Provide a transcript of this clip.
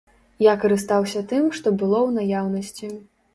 Я карыстаўся тым, што было ў наяўнасці.